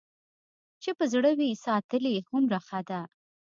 چې په زړه کې وي ساتلې هومره ښه ده.